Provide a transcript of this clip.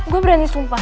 gue berani sumpah